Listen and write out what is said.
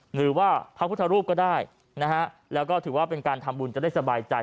หรือว่าพระพุทธรูปก็ได้นะฮะแล้วก็ถือว่าเป็นการทำบุญจะได้สบายใจ